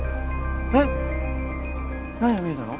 えっ何が見えたの？